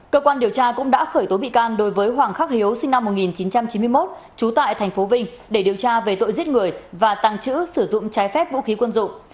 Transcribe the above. cơ quan điều tra cũng đã khởi tố bị can đối với hoàng khắc hiếu sinh năm một nghìn chín trăm chín mươi một trú tại tp vinh để điều tra về tội giết người và tăng chữ sử dụng trái phép vũ khí quân dụng